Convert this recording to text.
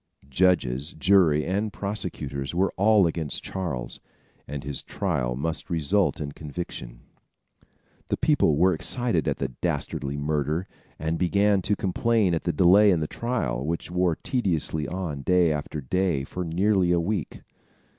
Judges, jury and prosecutors were all against Charles, and his trial must result in conviction. The people were excited at the dastardly murder, and began to complain at the delay in the trial, which wore tediously on day after day for nearly a week.